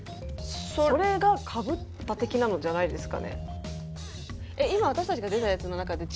それがかぶった的なのじゃないですかね？